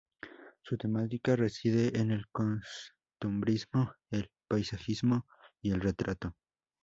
Su temática reside en el costumbrismo, el paisajismo y el retrato.